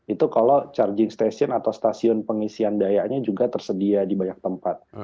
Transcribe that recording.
itu kalau charging station atau stasiun pengisian dayanya juga tersedia di banyak tempat